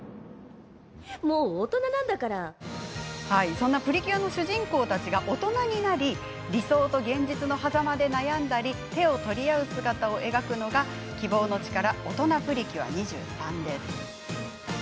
そんなプリキュアの主人公たちが大人になり理想と現実のはざまで悩んだり手を取り合う姿を描くのが「キボウノチカラオトナプリキュア’２３」です。